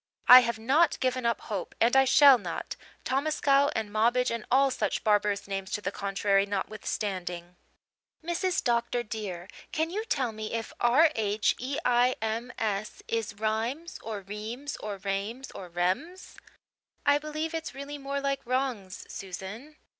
I have not given up hope, and I shall not, Tomascow and Mobbage and all such barbarous names to the contrary notwithstanding. Mrs. Dr. dear, can you tell me if R h e i m s is Rimes or Reems or Rames or Rems?" "I believe it's really more like 'Rhangs,' Susan."